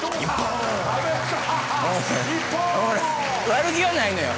悪気はないのよ。